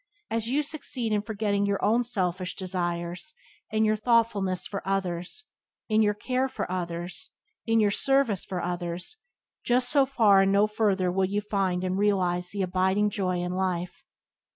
As you succeed in forgetting your own selfish desires in your thoughtfulness for others, in your care for others, in your service for others, just so far and no further will you find and realize the abiding joy in life.